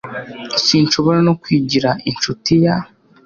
Sinshobora no kwigira inshuti ya